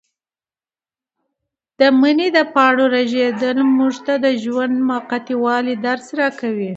د مني د پاڼو رژېدل موږ ته د ژوند د موقتي والي درس راکوي.